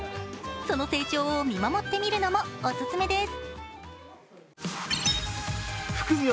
その成長を見守ってみるのもおすすめです。